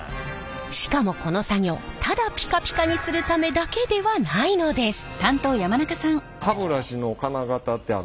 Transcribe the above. しかもこの作業ただピカピカにするためだけではないのです。